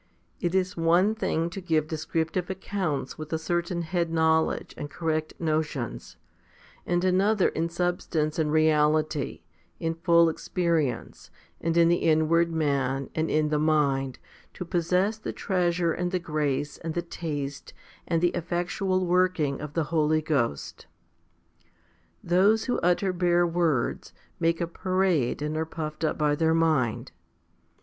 It is one thing to give descriptive accounts with a certain head knowledge and correct notions, and another in substance and reality, in full experience, and in the inward man, and in the mind, to possess the treasure and the grace HOMILY XXVII 207 and the taste and the effectual working of the Holy Ghost. Those who utter bare words, make a parade and are puffed up by their mind.